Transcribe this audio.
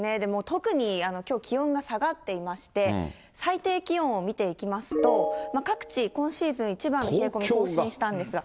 特にきょう、気温が下がっていまして、最低気温を見ていきますと、各地、今シーズン一番の冷え込み更新したんですが。